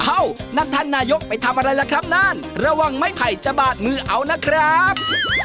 นั่นท่านนายกไปทำอะไรล่ะครับนานระวังไม้ไผ่จะบาดมือเอานะครับ